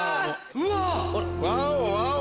うわ！